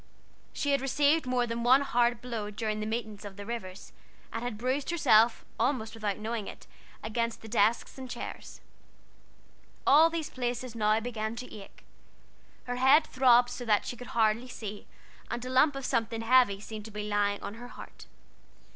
She had received more than one hard blow during the meetings of the waters, and had bruised herself almost without knowing it, against the desks and chairs. All these places now began to ache: her head throbbed so that she could hardly see, and a lump of something heavy seemed to be lying on her heart.